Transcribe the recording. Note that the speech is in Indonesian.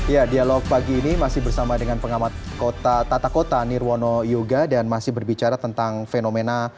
ya dialog pagi ini masih bersama dengan pengamat kota tata kota nirwono yoga dan masih berbicara tentang fenomena